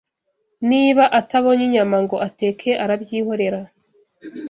niba atabonye inyama ngo ateke arabyihorera